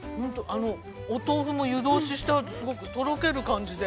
◆お豆腐も湯通しがしてあって、すごくとろける感じで。